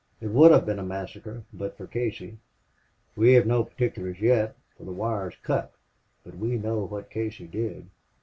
It would have been a massacre but for Casey.... We have no particulars yet, for the wire is cut. But we know what Casey did.